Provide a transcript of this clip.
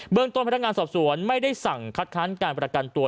ต้นพนักงานสอบสวนไม่ได้สั่งคัดค้านการประกันตัว